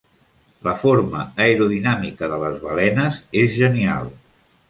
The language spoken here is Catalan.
La forma aerodinàmica de les balenes és genial.